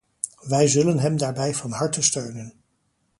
Wij zullen hem daarbij van harte steunen.